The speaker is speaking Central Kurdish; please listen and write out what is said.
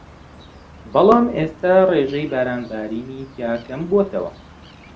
بەڵام ئێستا ڕێژەی باران بارینی تیا کەم بۆتەوە